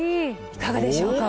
いかがでしょうか？